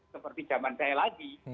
seperti zaman saya lagi